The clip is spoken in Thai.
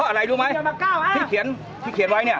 คหรือ